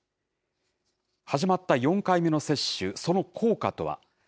始まった４回目の接種、その効果とは。